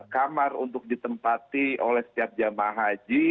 kamar untuk ditempati oleh setiap jemaah haji